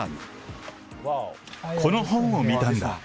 この本を見たんだ。